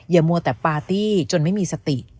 มัวแต่ปาร์ตี้จนไม่มีสติ